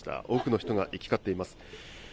多くの人が行き交っています。